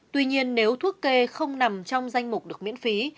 tuy nhiên nếu thuốc kê không nằm trong danh mục được miễn phí